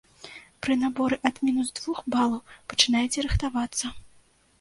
Пры наборы ад мінус двух балаў пачынайце рыхтавацца.